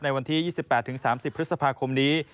วันที่๒๘๓๐พฤษภาคมนี้